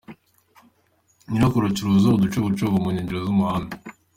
Nyirakuru acuruza uducogocogo mu nkengero z’umuhanda.